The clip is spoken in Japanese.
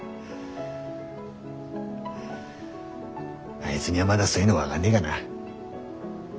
あいづにはまだそういうの分がんねえがな。